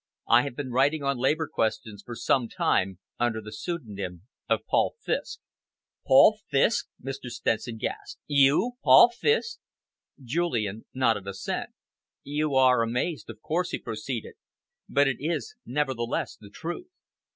I have been writing on Labour questions for some time under the pseudonym of 'Paul Fiske'." "Paul Fiske?" Mr. Stenson gasped. "You Paul Fiske?" Julian nodded assent. "You are amazed, of course," he proceeded, "but it is nevertheless the truth.